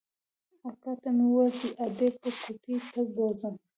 اکا ته مې وويل چې ادې به کوټې ته بوځم.